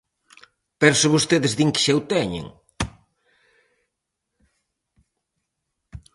¡Pero se vostedes din que xa o teñen!